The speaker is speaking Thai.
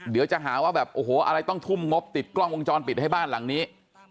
เดี๋ยวจะหาว่าแบบโอ้โหอะไรต้องทุ่มงบติดกล้องวงจรปิดให้บ้านหลังนี้